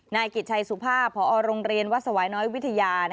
นายกิจชัยสุภาพพอโรงเรียนวัดสวายน้อยวิทยา